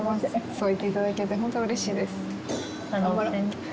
そう言っていただけてホントうれしいです。